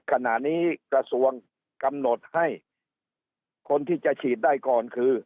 ขณะนี้กระทรวงกำหนดให้คนที่จะฉีดได้ก่อนคือ